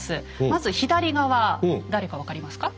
まず左側誰か分かりますか？